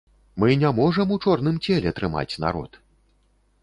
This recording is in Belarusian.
Мы не можам у чорным целе трымаць народ.